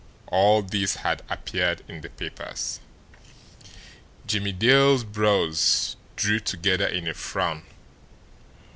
All this had appeared in the papers. Jimmie Dale's brows drew together in a frown.